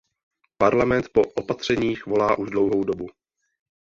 Parlament po opatřeních volá už dlouhou dobu.